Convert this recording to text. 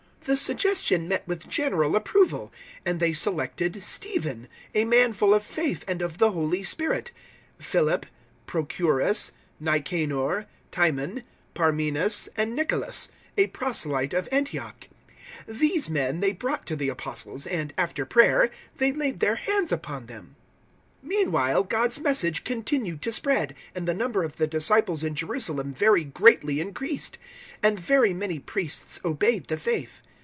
006:005 The suggestion met with general approval, and they selected Stephen, a man full of faith and of the Holy Spirit, Philip, Prochorus, Nicanor, Timon, Parmenas, and Nicolas, a proselyte of Antioch. 006:006 These men they brought to the Apostles, and, after prayer, they laid their hands upon them. 006:007 Meanwhile God's Message continued to spread, and the number of the disciples in Jerusalem very greatly increased, and very many priests obeyed the faith.